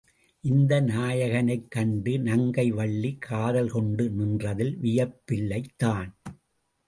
இந்த நாயகனைக் கண்டு நங்கை வள்ளி காதல் கொண்டு நின்றதில் வியப்பில்லைதான்!